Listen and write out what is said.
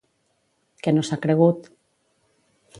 Què no s'ha cregut?